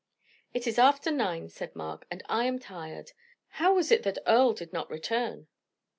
"It is after nine," said Mark, "and I am tired. How was it that Earle did not return?"